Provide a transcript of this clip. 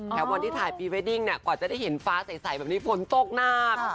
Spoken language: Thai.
แถววันที่ถ่ายพรีเวดดิ้งกว่าจะได้เห็นฟ้าใสแบบนี้ฝนตกน่า